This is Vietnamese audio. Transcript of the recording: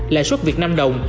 lãi suất việt nam đồng